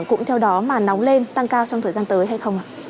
cũng theo đó mà nóng lên tăng cao trong thời gian tới hay không ạ